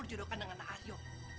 dijodohkan dengan aryo